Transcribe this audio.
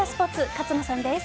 勝野さんです。